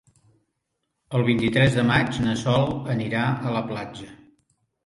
El vint-i-tres de maig na Sol anirà a la platja.